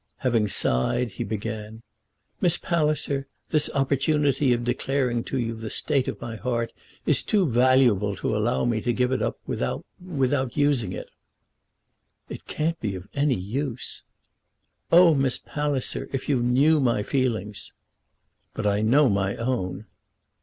Having sighed, he began: "Miss Palliser, this opportunity of declaring to you the state of my heart is too valuable to allow me to give it up without without using it." "It can't be of any use." "Oh, Miss Palliser, if you knew my feelings!" "But I know my own."